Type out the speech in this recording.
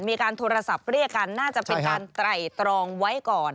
มีการโทรศัพท์เรียกกันน่าจะเป็นการไตรตรองไว้ก่อน